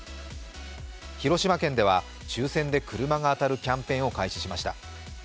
広島県では抽選で車が当たるキャンペーンを開始しました。